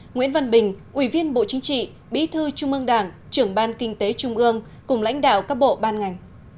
nguyễn văn bình ủy viên bộ chính trị bí thư trung ương đảng trưởng ban kinh tế trung ương cùng lãnh đạo các bộ ban ngành